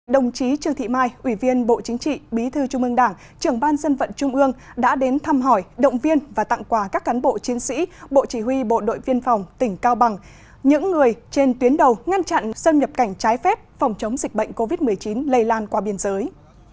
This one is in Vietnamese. đồng chí trương thị mai ủy viên bộ chính trị bí thư trung ương đảng trưởng ban dân vận trung ương đã đến thăm hỏi động viên và tặng quà các cán bộ chiến sĩ bộ chỉ huy bộ đội viên phòng tỉnh cao bằng những người trên tuyến đầu ngăn chặn dân nhập cảnh trái phép phòng chống dịch bệnh covid một mươi chín lây lan qua biên giới